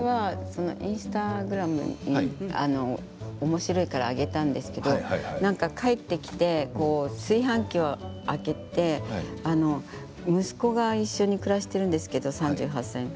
インスタグラムにおもしろいから上げたんですけど帰ってきて炊飯器を開けて息子が一緒に暮らしているんですけど３８歳の。